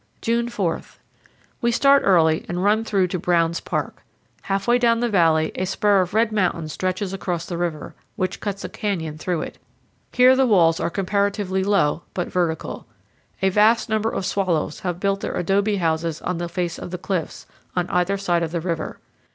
June 4 We start early and run through to Brown's Park. Halfway down the valley, a spur of a red mountain stretches across the river, which cuts a canyon through it. Here the walls are comparatively low, but vertical. A vast number of swallows have built their adobe houses on the face of the cliffs, on either side of the river.